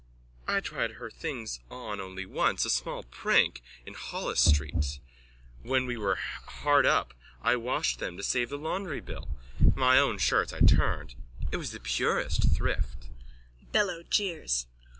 _ I tried her things on only twice, a small prank, in Holles street. When we were hard up I washed them to save the laundry bill. My own shirts I turned. It was the purest thrift. BELLO: _(Jeers.)